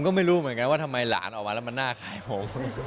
ก็ไม่รู้เหมือนกันว่าทำไมหลานออกมาแล้วมันน่าขายผม